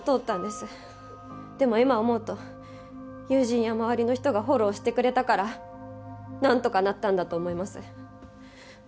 でも今思うと友人や周りの人がフォローしてくれたからなんとかなったんだと思います。